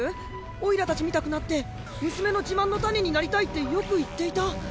おいらたちみたくなって娘の自慢の種になりたいってよく言っていた。